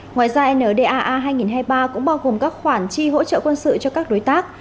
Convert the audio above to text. ngoài ra ndaa hai nghìn hai mươi ba cũng bao gồm các khoản chi hỗ trợ quân sự cho các đối tác